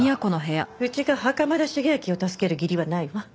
うちが袴田茂昭を助ける義理はないわ。